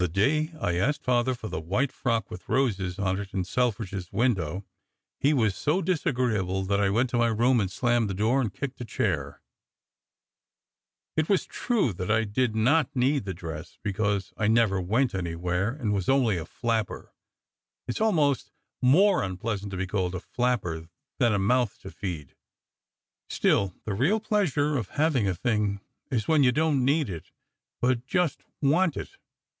The day I asked Father for the white frock with roses on it in Selfridge s window, he was so disagreeable that I went to my room and slammed the door and kicked a chair. It was true that I did not need the dress, because I never went anywhere and was only a flapper (it s almost more un pleasant to be called a flapper than a "mouth to feed"); still, the real pleasure of having a thing is when you don t need it, but just want it.